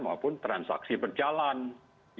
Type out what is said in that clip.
maupun transaksi berjalanan